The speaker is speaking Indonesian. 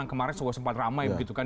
yang kemarin sempat ramai gitu kan